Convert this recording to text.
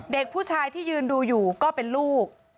เด็กผู้ชายที่ยืนดูอยู่ก็เป็นลูก